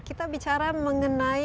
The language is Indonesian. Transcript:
kita bicara mengenai